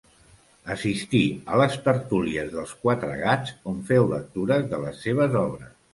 Assistí a les tertúlies dels Quatre Gats on feu lectures de les seves obres.